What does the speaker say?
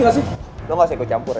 terus kita bercanda